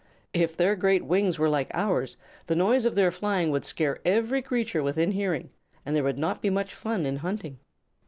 "If their great wings were like ours, the noise of their flying would scare every creature within hearing, and there would not be much fun in hunting."